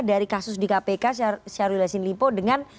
dari kasus di kpk syahrul yassin limpo dengan